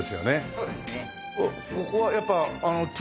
そうですね。